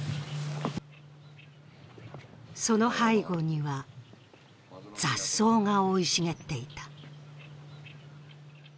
その背後には、雑草が生い茂っていた。